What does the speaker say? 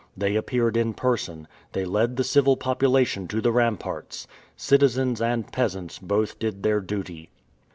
They appeared in person; they led the civil population to the ramparts. Citizens and peasants both did their duty.